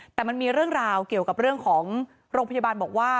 แต่มันมีเรื่องราวเกี่ยวกับเรื่องของโรงพยาบาลบอกว่า